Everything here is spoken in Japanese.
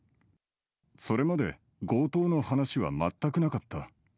それまで強盗の話は全くなかった。